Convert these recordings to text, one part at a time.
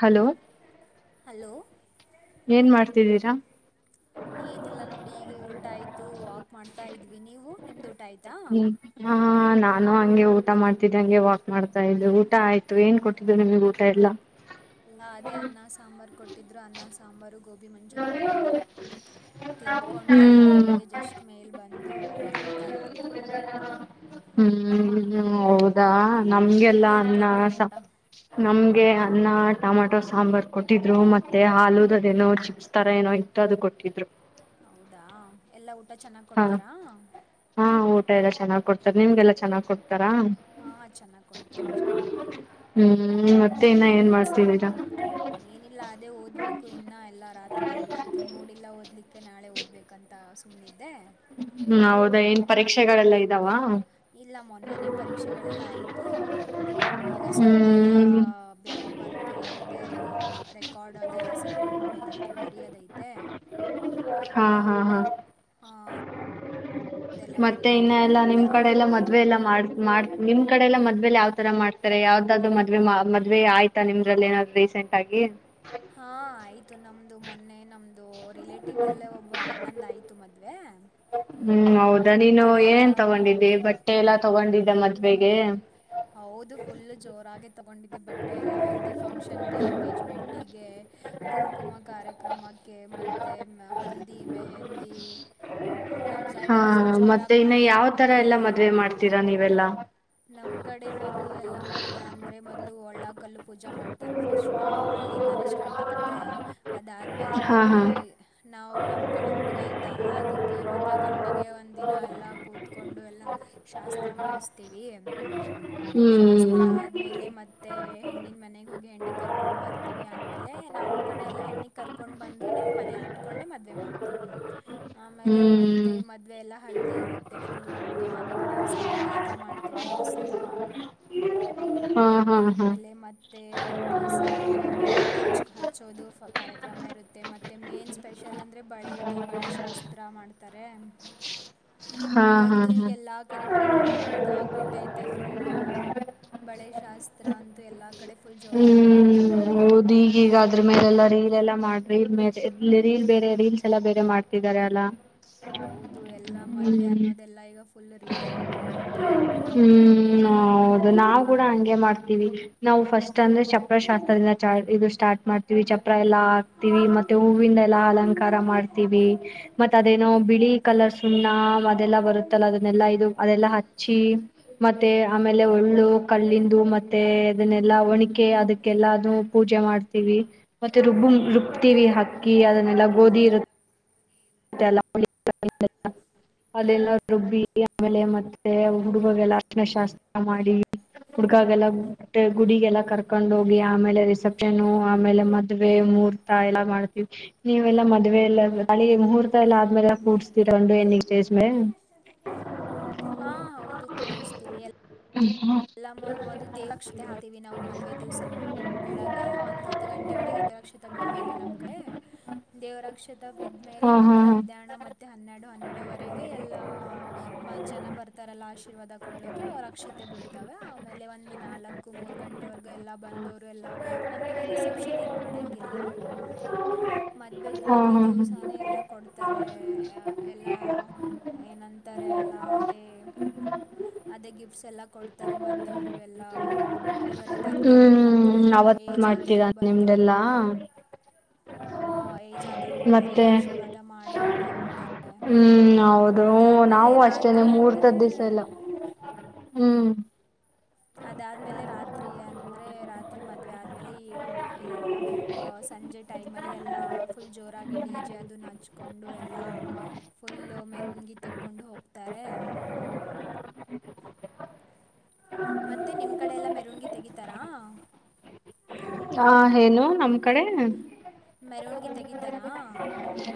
Hello hello ಏನ್ ಮಾಡ್ತಿದ್ದೀರಾ. ಏನಿಲ್ಲ ನೋಡಿ ಈಗೆ ಊಟ ಆಯ್ತು ವಾಕ್ ಮಾಡ್ತಾ ಇದ್ವಿ ನೀವು ನಿಮ್ದ ಊಟ ಆಯ್ತಾ. ಹಾ ನಾನು ಹಂಗೆ ಊಟ ಮಾಡ್ತಿದ್ದೆ ಹಂಗೆ ವಾಕ್ ಮಾಡ್ತಾ ಇದ್ದೆ ಊಟ ಆಯ್ತು ಏನ್ ಕೊಟ್ಟಿದ್ರು ನಿಮಿಗ್ ಊಟ ಎಲ್ಲ. ಲ್ಲ ಅದೇ ಅನ್ನ ಸಾಂಬಾರು ಕೊಟ್ಟಿದ್ರು ಅನ್ನ ಸಾಂಬಾರು ಗೋಬಿ ಮಂಚೂರಿ ಕೊಟ್ಟಿದ್ರು. ತಿಂದ್ಕೊಂಡು ಎಲ್ಲರೂ ಹ್ಮ್ ಈಗ ಜಸ್ಟ್ ಮೇಲ್ ಬಂದು ಓಡಾಡ್ತಾ ಇದ್ವಿ. ಹ್ಮ್ ಹ್ಮ್ ಹೌದಾ ನಮ್ಗೆಲ್ಲಾ ನಿಮ್ಗೇನು ಅನ್ನ ಕೊಟ್ಟರು ಸ ಊಟ ನಮ್ಗೆ ಅನ್ನ ಟಮಾಟೊ ಸಾಂಬಾರ್ ಕೊಟ್ಟಿದ್ರು ಮತ್ತೆ ಹಲುದದೇನೋ ಚಿ ತರ ಏನೋ ಇತ್ತು ಅದು ಕೊಟ್ಟಿದ್ರು. ಹೌದಾ ಎಲ್ಲಾ ಊಟ ಚೆನ್ನಾಗ್ ಹಾ ಕೊಡ್ತಾರ. ಹಾ ಊಟ ಎಲ್ಲಾ ಚೆನ್ನಾಗ್ ಕೊಡ್ತಾರೆ ನಿಮ್ಗೆಲ್ಲಾ ಚೆನ್ನಾಗ್ ಕೊಡ್ತಾರ. ಹಾಂ ಚೆನ್ನಾಗಿ ಕೊಡ್ತಾರೆ ಚೆನ್ನಾಗಿ ಹ್ಮ್ ಮತ್ತೆ ಇನ್ನ ಏನ್ ಮಾಡ್ತೀದಿರ. ಏನಿಲ್ಲ ಅದೇ ಓದ್ಬೇಕು ಇನ್ನ ಎಲ್ಲ ರಾತ್ರಿ ಇವತ್ತು ಮೂಡಿಲ್ಲ ಓದ್ಲಿಕ್ಕೆ ನಾಳೆ ಓದ್ಬೇ ಕಂತ ಸುಮ್ನಿದ್ದೆ. ಹ್ಮ್ ಹೌದಾ ಏನ್ ಪರೀಕ್ಷೆಗಳೆಲ್ಲ ಇದಾವ ಇಲ್ಲ ಮೊನ್ನೆನೆ ಪರೀಕ್ಷೆಗಳೆಲ್ಲ ಆಯ್ತು. ಈಗ ಸ್ವಲ್ಪ ಎಲ್ಲಾ ಹ್ಮ್ ಬೇರೆ ವರ್ಕ್ ಎಲ್ಲ ಇದೆ ಎಲ್ಲಾ ರೆಕಾರ್ಡ್ ಅದೆ ಎಲ್ಲ ಸಬ್ಮಿಟ್ ಮಾಡೋದೈ ತೆ ಬರಿಯೋದೈತೆ. ಹಾ ಹಾ ಹಾ ಹಾ ಮತ್ತೆ ಇನ್ನ ಎಲ್ಲಾ ನಿಮ್ ಕಡೆ ಎಲ್ಲ ಮದ್ವೆ ಎಲ್ಲಾ ಮಾಡ್ ಮಾಡ ನಿಮ್ ಕಡೆ ಎಲ್ಲ ಮದ್ವೆಲಿ ಯಾವ್ ತರ ಮಾಡ್ತಾರೆ ಯಾವ್ದಾದ್ರ್ ಮದ್ವೆ ಮದ್ವೆ ಆಯ್ತಾ ನಿಮ್ದ್ರಲ್ ಏನಾದ್ರು ರೀಸೆಂಟ್ ಟಾಗಿ ಹಾ ಆಯ್ತು ನಮ್ದು ಮೊನ್ನೆ ನಮ್ದು ರಿಲೇಟಿವ್ ಅಲ್ಲೆ ಒಬ್ ಬ್ಬ ಅಣ್ಣಂದ್ ಆಯ್ತು ಮದ್ವೆ. ಹ್ಮ್ ಹೌದಾ ನೀನು ಏನೇನ್ ಎಲ್ಲ ತಗೊಂಡಿದ್ದಿ ಬಟ್ಟೆ ಎಲ್ಲಾ ತಗೊಂಡಿದ್ದ ಮದ್ವೆಗೆ. ಹೌದು ಫುಲ್ ಜೋರಾಗೆ ತಗೊಂಡಿದ್ದೆ ಬಟ್ಟೆ ಎಲ್ಲ ಹಲ್ದಿ ಫಂಕ್ಷನ್ಗೆ ಎಂಗೇಜ್ಮೆಂಟಿಗೆ ಕುಂಕುಮ ಕಾರ್ಯಕ್ರಮಕ್ಕೆ ಮತ್ತೆ ಹಲ್ದಿ ಮೆಹಂದಿ ನಮ್ಮ ಹಾ ಸೈಡೆಲ್ಲ ಫುಲ್ ಮತ್ತೆ ಜೋರಾಗಿ ಇನ್ನ ಮಾಡ್ತಾರೆ ಯಾವ್ ತರ ಎಲ್ಲ ಮದ್ವೆ ಮಾಡ್ತೀರಾ ನೀವೆಲ್ಲ. ನಮ ಗಡ್ ಎ ಮೊದ್ಲು ಎಲ್ಲ ಮದ್ವೆ ಅಂದ್ರೆ ಮೊದ್ಲು ಒಳ್ಳ ಕಲ್ಲು ಪೂಜಾ ಮಾಡ್ತಾರೆ ಫಸ್ಟ್ ಅಲ್ಲಿಂದಾನೆ ಸ್ ಸ್ಟಾರ್ಟ್ ಆಗುತ್ತೆ ಅದಾದ್ಮೇಲೆ ಹಾ ಹಾ ಮದುವೆ ನಾವು ನಮ್ಮ ಕಡೆ ಹುಡುಗ ಇದ್ ದಲ್ಲ ಅದಿಕ್ಕೆ ಮದುವೆ ಗಂಡಿಗೆ ಒಂದಿನ ಎಲ್ಲ ಕೂತ್ಕೊಂಡು ಎಲ್ಲ ಶಾಸ್ತ್ರ ಮಾಡಿಸ್ತೇವಿ ಶಾಸ್ ಹತ್ರ ಹ್ಮ್ ಆದ್ಮೇಲೆ ಮತ್ತೆ ಹೆಣ್ಣಿನ್ ಮನೆಗೆ ಹೋಗಿ ಹೆಣ್ಣಿಗ್ ಕರ್ಕೊಂಡು ಬರ್ತೀವಿ ಆಮೇಲೆ ನಮ್ಮ ಕಡೆ ಎಲ್ಲ ಹೆಣ್ಣಿಗ್ ಕರ್ಕೊಂಡ್ ಬಂದುನೆ ಮನೇಲಿಟ್ಕೊಂಡೆ ಮದ್ವೆ ಮಾಡ್ತೀವಿ. ಹ್ಮ್ ಆಮೇಲೆ ಹ್ಮ್ ಮತ್ತೆ ಮದ್ವೆ ಎಲ್ಲಾ ಹಲ್ದಿ ಇರುತ್ತೆ full one day one day ಸಂಗೀತ ಮಾಡ್ತೀವಿ ಮಸ್ ಹ್ಮ್ ಹಾ ಹಾ ಹಾ ಆಮೇಲೆ ಮತ್ತೆ ಒಂದ್ ದಿವ್ಸ ಅಂದ್ರೆ ಮೆಹಂದಿ ಹಚ್ ಹಚ್ಚೋದು ಫ ಕಾರ್ಯಕ್ರಮ ಇರುತ್ತೆ ಮತ್ತೆ ಮೆನ್ಸ್ ಸ್ಪೆಷಲ್ ಅಂದ್ರೆ ಬಳೆದು ಬಳೆ ಶಾಸ್ತ್ರ ಮಾಡ್ತಾರೆ. ಹಾ ಹಾ ಅದಂತೂ ಈಗ ಹಾ ಎಲ್ಲಾ ಕಡೆ ಟ್ರೆಂಡ ಇದು ಆಗ್ಬಿಟ್ ತ್ತೆ ಫುಲ್ಲು ಬಳೆ ಶಾಸ್ತ್ರ ಅಂತೂ ಎಲ್ಲ ಕಡೆ ಫುಲ್ ಜೋರಾಗೆ ಮಾಡ್ತವ್ರೆ ಈಗ ಈಗ ಅದ್ರ ಮೇಲೆ ಎಲ್ಲ ರೀಲ್ ಎಲ್ಲ ಮಾಡ್ರೀ ಮೇಲೆ ರೀಲ್ ಬೇರೆ ರೀಲ್ಸ್ ಎಲ್ಲ ಬೇರೆ ಮಾಡ್ತಿದ್ದಾರೆ ಅಲ. ಹೌದು ಎಲ್ಲಾ ಮದ್ವೆ ಅನ್ನೋದೆಲ್ಲಾ ಈಗ ಫುಲ್ ರೀಲೆ ಆಗ್ಬಿಟ್ಟೈತೆ. ಹ್ಮ್ ನೋ ಹೌದು ನಾವು ಕೂಡ ಹಂಗೆ ಮಾಡ್ತೀವಿ ನಾವು ಫಸ್ ಅಂದ್ರ ಚಪ್ರ ಶಾಸ್ತ್ರದಿಂದ ಚಾರ್ಟ್ ಇದು ಸ್ಟಾರ್ಟ್ ಮಾಡ್ [unintelligible] ಚಪ್ರ ಎಲ್ಲಾ ಹಾಕ್ತಿವಿ ಮತ್ತೆ ಹೂವಿಂದ ಎಲ್ಲಾ ಅಲಂಕಾರ ಮಾಡ್ತೀವಿ ಮತ್ತ ಹ್ಞೂ ಅದೇನೋ ಬಿಳಿ ಕಲರ್ ಸುಣ್ಣ ಅದೆಲ್ಲಾ ಬರುತ್ತೆ [unintelligible] ಅದನ್ನೆಲ್ಲ ಇದು ಅದೆಲ್ಲ ಹಚ್ಚಿ ಮತ್ತೆ ಹ್ಞೂ ಆಮೇಲೆ ಒಳ್ಳು ಕಲ್ಲಿಂದು ಮತ್ತೆ ಅದನ್ನೆಲ್ಲಾ ಒಣಕೆ ಅದಕ್ಕೆಲ್ಲ ಅದು ಪೂಜೆ ಮಾಡ್ತ [unintelligible] ಹ್ಞೂ ಮತ್ತೆ ರುಬ್ಬ ರುಬ್ತೀವಿ ಹಾಕ್ಕಿ ಅದನ್ನೆಲ್ಲ ಗೋಧಿ ಇರುತ್ತ ಮತ್ತೆ ಅಲ್ಲ [unintelligible] ಅಲ್ಲಲ್ಲ ರುಬ್ಬಿ ಆಮೇಲೆ ಮತ್ತೆ ಹುಡುಗಗೆಲ್ಲ ಅರ್ಶನ ಶಾಸ್ತ್ರ ಮಾಡಿ.. ಹುಡ್ಗಾಗ ಎಲ್ಲ ಗುಟ್ಟ ಹ್ಞೂ ಗುಡಿಗೆಲ್ಲ ಕರ್ ಕಕೊಂಡ ಹೋಗಿ ಆಮೇಲೆ ರಿಸೆಪ್ಷನ್ ಆಮೇಲೆ ಮದ್ವೆ ಮುರ್ತ ಎಲ್ಲಾ ಮಾಡ್ತೀವಿ ನೀವೆಲ್ಲಾ ಮದ್ವೆ ಎಲ್ಲಳ ನಾಳಿ ಮುಹೂರ್ತ ಎಲ್ಲ ಆದ್ಮೇಲೆ ಕೂಡ್ಸ್ತೀರ ಉಂಡು ಎಂಗೇಜ್ಮೆಂಟ್ ಹಾ ಹೌದು ಕೂರಿಸ್ತೀವಿ ಎ [inaudible] ಎಲ್ಲ ಮೊದಲ ಮೊದಲ ದೇವ ಲಕ್ಷ್ಮಿ ಮತ್ತ ಹಾಕಿವವಿ ನಾವು ಮದ್ವೆ ದಿವ್ಸ ಮು ಬೆಳಗ್ಗೆ ಒಂದು ಹತ್ತು ಗಂಟೆ ಒಳಗೆ ದರಾಕ್ಷತೆ ಬೀಳ್ಬೇಕು ನಮಗೆ [inaudible] ದೇವರಾಕ್ಷತೆ ಬಿದ್ಮೇಲೆ ಹಾ ಹಾ ಆಮೇಲೆ ಹಾ ಮಧ್ಯಾಹ್ನ ಮತ್ತು ಮತ್ತೆ ಹನ್ನೆಡು ಹನ್ನೆರಡವರೆಗೆ ಎಲ್ಲಾ ಮತ್ತ ಜನ ಬರ್ತಾರಲ್ಲ ಆಶೀರ್ವಾದ ಕೊಡ್ಲಿಕ್ಕೆ ಅವರ ಅಕ್ಷತೆ ಬೀ [unintelligible] ಆಮೇಲೆ ಒಂದ ನಾಲ್ಕು ಮೂರು ಗಂಟೆವರೆಗೂ ಎಲ್ಲಾ ಬಂದವರು ಎಲ್ಲ ನಮ್ ಕಡೆ ರಿಸೆಪ್ಟ ರಿಶಪ್ಷನ್ ಏನ ಮಾಡೋಂಗಿಲ್ಲ [inaudible] ಮದ್ವೆ ಹಾ ಮದುವೆ ಹಾ ಹಾ ದಿವಸಾನ ಎಲ್ಲ ಕೊಡ್ತಾರೆ ಎಲ್ಲ ಏನಂತಾರೆ ಎಲ್ಲ ಅದೇ ಅದೇ ಗಿಫ್ಟ್ಸಎಲ್ಲ ಕೊಡ್ತಾರೆ ಬಂದವರು ಎಲ್ಲ ಉಡುಗೊರೆ ತರ್ತಾರೆ ಮತ್ತೆ ಹ್ಮ್ ಎಲ್ಲಾ ಅವತ್ತ್ ಏಜ್ ಮಾಡ್ತೀರಾ ಆದವರು ಬಂದವರ ನಿಮ್ದೆಲ್ಲಾ? ಹಾ ಏಜ್ ಆದ್ರು ಬಂದವರೆಲ್ಲ ಮತ್ತೆ ಆಶೀರ್ವಾದ ಮಾಡಿ ಮಾಡಿ ಹೋಗ್ತಾರೆ ಹ್ಮ್ ಹೌದು ಅದಾದಮೇಲೆ ನಾವು ಅಷ್ಟೇನೆ ರಾತ್ರಿ ಮೂರ್ತದ ಅಂದರೆ ದಿವ್ಸ ಎಲ್ಲಾ [unintelligible] ಹ್ಮ್ ಅದಾದ್ಮೇಲೆ ರಾತ್ರಿ ಅಂದ್ರೆ ರಾತ್ರಿ ಮದ್ವೆ ಆದ್ಮೇಲೆ ಈ ಈಗ ಅ ಸಂಜೆ ಟೈಮಲ್ಲಿ ಎಲ್ಲ ಫುಲ್ ಜೋರಾಗಿ ಡಿ ಜೆ ಅದನ್ನ ಹಚ್ಕೊಂಡು ಎಲ್ಲ ಫುಲ್ ಮೆರವಣಗಿ ತೆಕೊಂಡು ಹೋಗ್ತಾರೆ. [unintelligible] [unintelligible] ಮತ್ತೆ ನಿಮ್ಮ ಕಡೆ ಎಲ್ಲಾ ಮೆರಣ್ಗಿ ತೆಗೀತಾರಾ.. ಹ ಹೇನು ನಮ್ ಕಡೆ ಮೆರಣಗಿ ತಗಿತಾರಾ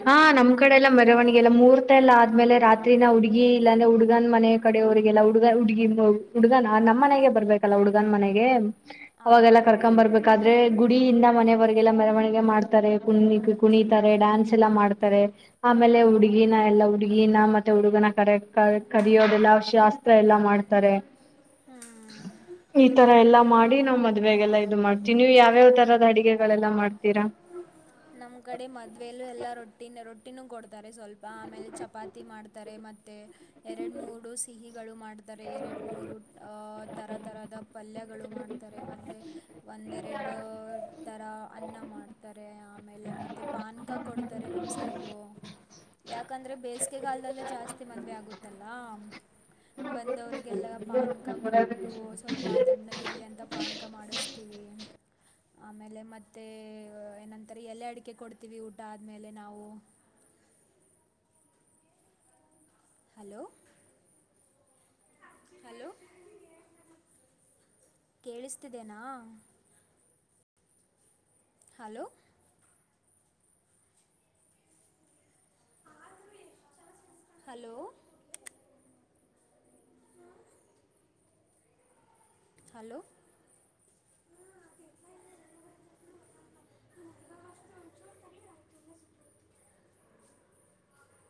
ಹಾ ನಮ್ ಕಡೆ ಎಲ್ಲ ಮೆರವಣಿಗೆ ಎಲ್ಲ ಮೂರ್ತ ಎಲ್ಲ ಆದ್ಮೇಲೆ ರಾತ್ರಿ ಹುಡ್ಗಿ ಇಲ್ಲಾಂದೆ ಹುಡ್ಗನ್ ಮನೆ ನಮ್ಮ ಕಡೆ ಅವರಿಗೆಲ್ಲ ಹುಡುಗ ಹುಡುಗಿ ನೋವು ಹುಡ್ಗನ್ ನಮ್ಮ ಮನೆಗೆ ಬರ್ಬೇಕಲ್ಲ ಹುಡ್ಗನ ಮನೆಗೆ ಅವಾಗೆಲ್ಲಾ ಹೌದು ಕರ್ಕೊ. ಬರ್ಬೇಕ ಬದ್ರೆ ಗುಡಿಯಿಂದ ಮನೆೆಯವರ್ಗೆಲ್ಲ ಮೆರವಣಿಗೆ ಮಾಡ್ತಾರೆ ಗುಣಿ ಕುಣಿ ಅಂದ್ರೆ ಡಾನ್ಸ ಎಲ್ಲ ಮಾಡ್ತಾರೆ ಆಮೇಲೆ ಹುಡುಗಿನ ಎಲ್ಲಾ ಹುಡುಗೀನ ಮತ್ತೆ ಹುಡುಗನ ಕರೆ ಕರಿಯೋದೆಲ್ಲ ಶಾಸ್ ಇತರ ಎಲ್ಲ ಮಾಡ್ತಾರೆ ಹ್ಞೂ [inaudible] ಈ ತರ ಎಲ್ಲಾ ಮಾಡಿ ನಮ್ಮ ಮದ್ವೆಗಲ್ಲ ಇದು ಮಾಡ್ತೀವಿ ನೀವು ಯಾವ್ಯಾವ ತರದ ಅಡಿಗೆಗಳೆಲ್ಲ ಮಾಡ್ತೀರಾ ನಮ್ ಕಡೆ ಮದ್ವೆೇಲು ಎಲ್ಲಾ ರೊಟ್ಟಿನ ರೊಟ್ಟಿನೂ ಕೊಡ್ತಾರೆ ಸ್ವಲ್ಪ. ಆಮೇಲೆ ಚಪಾತಿ ಮಾಡ್ ತಾರೆ ಮತ್ತೆ ಎರಡು ಮೂಡು ಸಿಹಿಗಳು ಮಾಡ್ತಾರೆ. ಎರಡು ಮೂರು ಅ ತರತರದ ಪಲ್ಯಗಳು ಮಾಡ್ತಾರೆ. ಮತ್ತು, ಒಂದೆರಡ ತರ ಅನ್ನ ಮಾಡ್ತಾರೆ. ಆಮೇಲೆ ಮತ್ತೆ ಪಾನ್ಕ್ ಕೊಡ್ತಾರೆ ನಮ್ಮ ಸೈಡು. ಯಾಕಂದ್ರೆ ಬೇಸಿಗೆಗಾಲ್ದಲ್ಲೇ ಜಾಸ್ತಿ ಮದ್ವೆ ಆಗುತ್ತಲ್ಲಾ. ಬಂದವ್ರರಿಗೆಲ್ಲಾ ಪಾನ್ಕ ಕೊಟ್ಟು. ಸ್ವಲ್ಪ ತಣ್ಣಗ ಇರ್ಲಿ ಅಂತ, ಪಾನ್ಕ ಮಾಡಿಸ್ತೀವಿ. ಆಮೇಲೆ ಮತ್ತೆ ಏನಂ ತರೆ ಎಲೆ ಅಡಿಕೆ ಕೊಡ್ತೀವಿ ಊಟ ಆದ್ಮೇಲೆ ನಾವು. ಹಲೋ, ಹಲೋ ಕೇಳಿಸ್ತಿದ್ದೇನಾ. Hello, hello, [inaudible] hello.